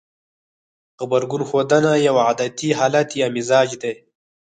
غبرګون ښودنه يو عادتي حالت يا مزاج دی.